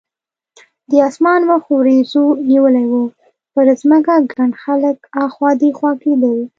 د اسمان مخ وریځو نیولی و، پر ځمکه ګڼ خلک اخوا دیخوا کېدل.